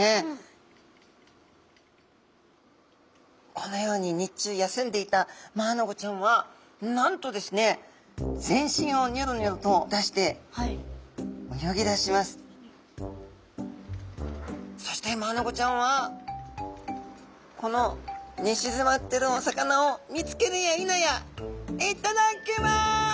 このように日中休んでいたマアナゴちゃんはなんとですね全身をニョロニョロと出してそしてマアナゴちゃんはこのねしずまってるお魚を見つけるやいなや「いっただっきます！」。